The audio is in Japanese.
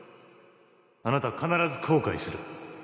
あなたは必ず後悔する